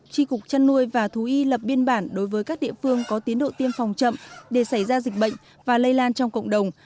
tri cục chăn nuôi và thú y lập biên bản đối với các địa phương có tiến độ tiêm phòng chậm để xảy ra dịch bệnh và lây lan trong cộng đồng